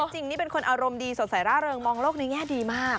สดใสร่าเริงมองโลกในแง่ดีมาก